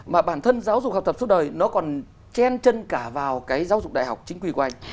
mà bản thân giáo dục học tập suốt đời nó còn chen chân cả vào cái giáo dục đại học chính quy của anh